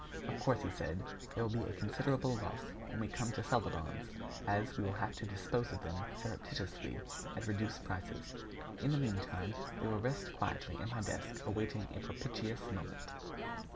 "Of course," he said, "there will be a considerable loss when we come to sell the bonds, as we will have to dispose of them surreptitiously at reduced prices. In the meantime, they will rest quietly in my desk awaiting a propitious moment."